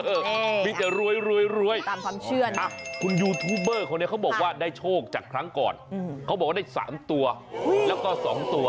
เออมีแต่รวยคุณยูทูเบอร์เขาเนี่ยเขาบอกว่าได้โชคจากครั้งก่อนเขาบอกว่าได้๓ตัวแล้วก็๒ตัว